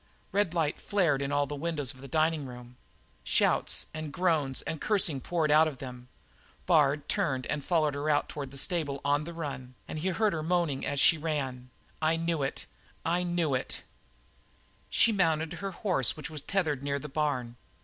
Red light flared in all the windows of the dining room; shouts and groans and cursing poured out of them. Bard turned and followed her out toward the stable on the run, and he heard her moaning as she ran: "I knew! I knew!" She mounted her horse, which was tethered near the barn.